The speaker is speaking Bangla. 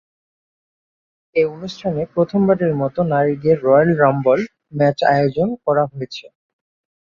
এই অনুষ্ঠানে প্রথমবারের মতো নারীদের রয়্যাল রাম্বল ম্যাচ আয়োজন করা হয়েছে।